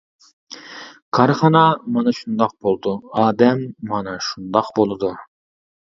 كارخانا مانا شۇنداق بولىدۇ، ئادەم مانا شۇنداق بولىدۇ.